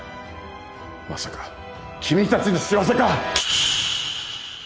まさか君たちの仕業か！